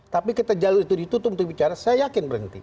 tapi kita jalur itu ditutup untuk bicara saya yakin berhenti